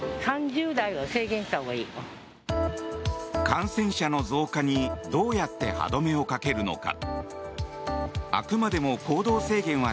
感染者の増加にどうやって歯止めをかけるのか。